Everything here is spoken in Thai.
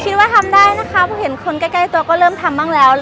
คิดว่าทำได้นะคะเพราะเห็นคนใกล้ตัวก็เริ่มทำบ้างแล้ว